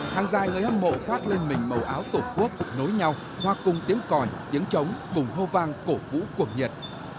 hàng dài người hâm mộ khoác lên mình màu áo tổ quốc nối nhau hoa cùng tiếng còi tiếng trống cùng hô vang cổ vũ cuồng nhiệt